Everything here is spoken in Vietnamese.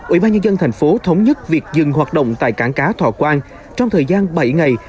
ủy ban nhân dân thành phố thống nhất việc dừng hoạt động tại cảng cá thọ quang trong thời gian bảy ngày